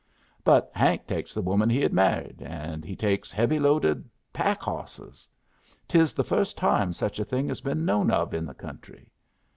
But Hank takes the woman he had married, and he takes heavy loaded pack hawsses. 'Tis the first time such a thing has been known of in the country.